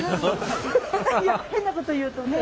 いや変なこと言うとね。